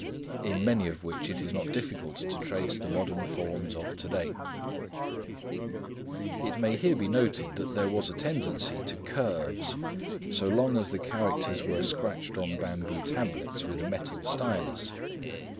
] in many of which it is not difficult to trace the modern forms of to day, 日月山手子木臣口牛爪 It may here be noted that there was a tendency to curves so long as the characters were scratched on bamboo tablets with a metal stylus.